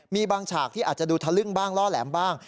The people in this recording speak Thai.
มีบางฉากที่อาจจะดูทะลึ่งบ้างล่อแหลมบ้าง